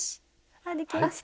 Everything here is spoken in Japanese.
あっできました。